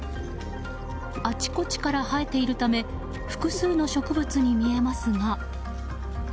あちこちから生えているため複数の植物に見えますが。